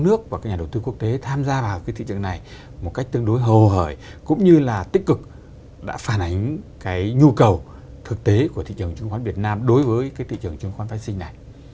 nước và nhà đầu tư quốc tế tham gia vào thị trường này một cách tương đối hồ hởi cũng như là tích cực đã phản ảnh nhu cầu thực tế của thị trường chứng khoán việt nam đối với thị trường chứng khoán vaccine này